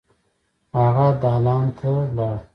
هغه دالان ته لاړ.